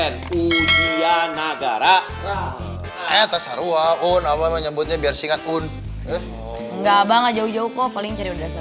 di nagara atas haruah pun apa menyebutnya biar singkat pun enggak bangat jauh jauh kok paling